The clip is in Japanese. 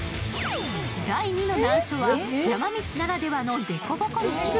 第二の難所は山道ならではのでこぼこ道。